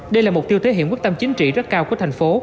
đây là mục tiêu thể hiện quyết tâm chính trị rất cao của thành phố